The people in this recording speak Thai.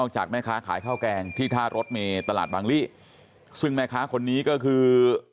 จากแม่ค้าขายข้าวแกงที่ท่ารถเมย์ตลาดบางลี่ซึ่งแม่ค้าคนนี้ก็คือ